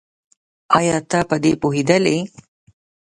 ايا ته په دې پوهېدلې؟